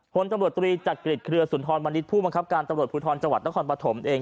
คนตำรวจตรีจักริจเครือสุนทรมณิษฐ์ผู้บังคับการตำรวจภูทรจังหวัดนครปฐมเอง